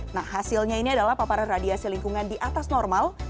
nah hasilnya ini adalah paparan radiasi lingkungan di atas normal